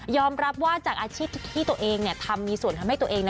รับว่าจากอาชีพที่ตัวเองทำมีส่วนทำให้ตัวเอง